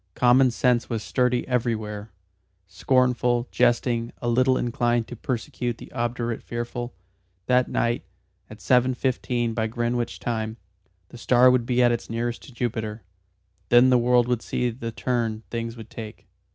Common sense was sturdy everywhere, scornful, jesting, a little inclined to persecute the obdurate fearful. That night, at seven fifteen by Greenwich time, the star would be at its nearest to Jupiter. Then the world would see the turn things would take.